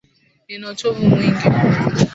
Nina uchovu mwingi.